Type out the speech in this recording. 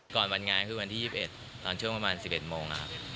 ก่อนวันงานคือวันที่๒๑ตอนช่วงประมาณ๑๑โมงนะครับ